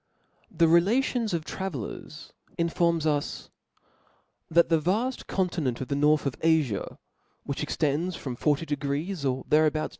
THE relations of travellers (0 infcwm us, •^ that C) See " the vaft continent of the north of Aria, SrNort2 which extends from forty degrees or thereabouts voi.